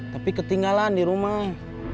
tapi ketinggalan di rumah